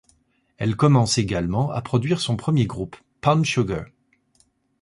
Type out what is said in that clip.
Elle commence également à produire son premier groupe, PalmSugar.